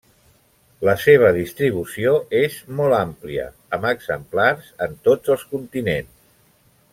La seva distribució és molt àmplia, amb exemplars en tots els continents.